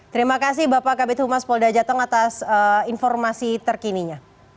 terima kasih bapak kabit humas polda jateng atas informasi terkininya